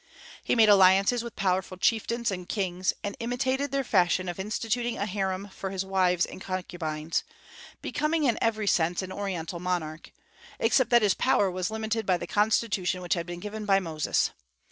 He made alliances with powerful chieftains and kings, and imitated their fashion of instituting a harem for his wives and concubines, becoming in every sense an Oriental monarch, except that his power was limited by the constitution which had been given by Moses.